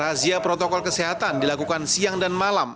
razia protokol kesehatan dilakukan siang dan malam